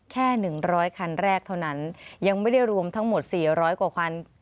แค่๑๐๐คันแรกเท่านั้นยังไม่ได้รวมทั้งหมด๔๐๐กว่าคัน